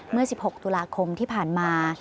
เมื่อ๑๖ตุลาคมที่ผ่านมา